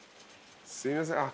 すいません。